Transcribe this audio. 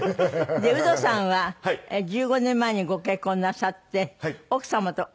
でウドさんは１５年前にご結婚なさって奥様と２人暮らし。